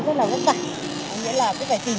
rất là vất vả nghĩa là cứ phải tìm